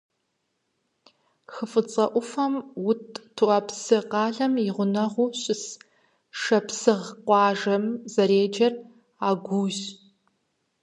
Хы ФIыцIэ Iуфэм Iут ТIуапсы къалэм и гъунэгъуу щыс шапсыгъ къуажэм зэреджэр Агуийщ.